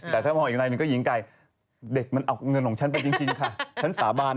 แต่ถ้ามองอีกรายหนึ่งก็ยิงไกล